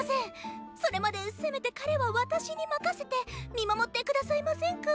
それまでせめて彼は私に任せて見守って下さいませんか。